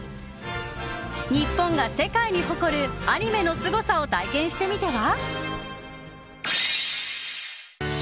日本が世界に誇るアニメのすごさを体験してみては？